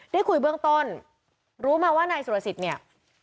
ได้คุยเบื้องต้นรู้มาว่านายสุรสิทธิ์เนี่ย